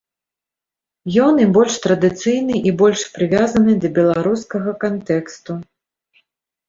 Ён і больш традыцыйны і больш прывязаны да беларускага кантэксту.